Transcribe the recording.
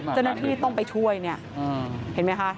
จนที่ต้องไปช่วยนี่เห็นไหมคะ